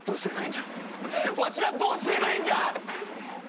んじゃわしはどうすればええんじゃ！